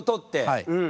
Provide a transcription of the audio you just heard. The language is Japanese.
はい。